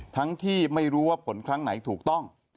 ทั้งที่ไม่รู้ว่าผลครั้งไหนถูกต้อง